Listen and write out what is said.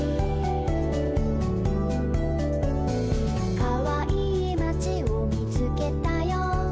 「かわいいまちをみつけたよ」